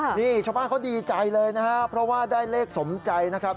นี่ชาวบ้านเขาดีใจเลยนะครับเพราะว่าได้เลขสมใจนะครับ